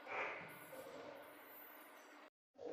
ibirego byashyikirijwe izindi nzego